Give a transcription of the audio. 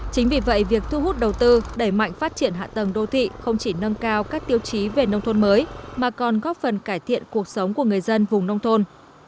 chính vì vậy việc thu hút đầu tư đẩy mạnh phát triển hạ tầng đô thị không chỉ nâng cao các tiêu chí về nông thôn mới mà còn góp phần cải thiện cuộc sống của người dân vùng nông thôn